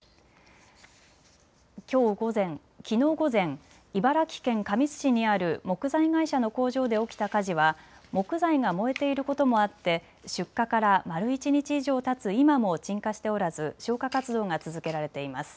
きのう午前、茨城県神栖市にある木材会社の工場で起きた火事は木材が燃えていることもあって出火から丸一日以上たつ今も鎮火しておらず、消火活動が続けられています。